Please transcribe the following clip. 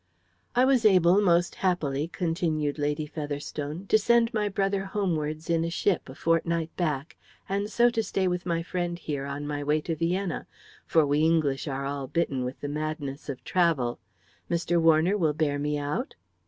"I was able, most happily," continued Lady Featherstone, "to send my brother homewards in a ship a fortnight back, and so to stay with my friend here on my way to Vienna, for we English are all bitten with the madness of travel. Mr. Warner will bear me out?"